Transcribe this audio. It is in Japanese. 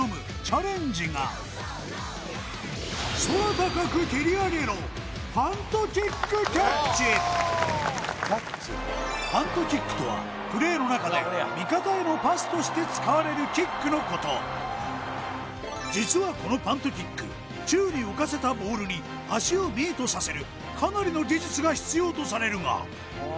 そんなチャレンジがパントキックとはプレーの中で味方へのパスとして使われるキックのこと実はこのパントキック宙に浮かせたボールに足をミートさせるかなりの技術が必要とされるが